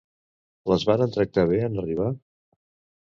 Les varen tractar bé en arribar?